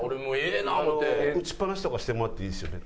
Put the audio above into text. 打ちっ放しとかしてもらっていいですよね？